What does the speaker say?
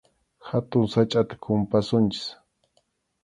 Hatun sachʼata kumpasunchik.